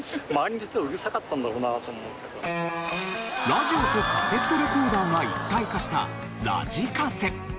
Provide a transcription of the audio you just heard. ラジオとカセットレコーダーが一体化したラジカセ。